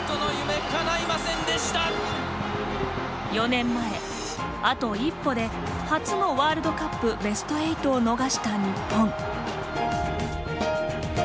４年前あと一歩で初のワールドカップベスト８を逃した日本。